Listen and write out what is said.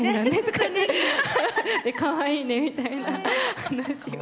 かわいいねみたいな話を。